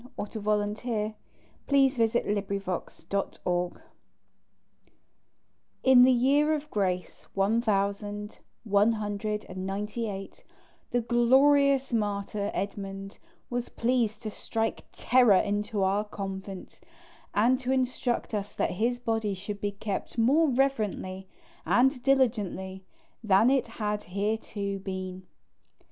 CHAPTER XIV the shrine of st. edmund IN the year of grace one thousand one hundred and ninety eight, the glorious martyr Edmund was pleased to strike terror into our convent, and to instruct us that his body should be kept more reverently and diligently than it had hitherto been.